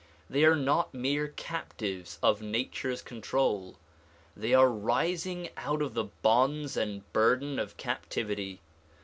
They are not mere captives of nature's control; they are rising out of the bonds and burden of captivity.